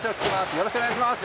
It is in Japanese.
よろしくお願いします。